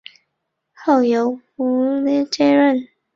后由吴棐彝接任。